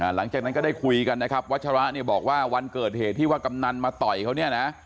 หลังจากนั้นก็ได้คุยกันนะครับวัชระเนี่ยบอกว่าวันเกิดเหตุที่ว่ากำนันมาต่อยเขาเนี่ยนะ